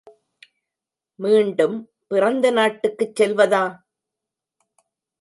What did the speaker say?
மீண்டும் பிறந்த நாட்டுக்குச் செல்வதா?